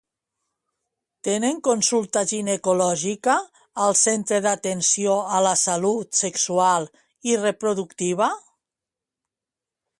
Tenen consulta ginecològica al centre d'atenció a la salut sexual i reproductiva?